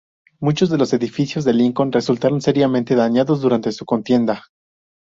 Muchos de los edificios de Lincoln resultaron seriamente dañados durante la contienda.